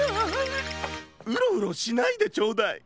ウロウロしないでちょうだい。